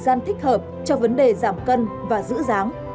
cần thích hợp cho vấn đề giảm cân và giữ dáng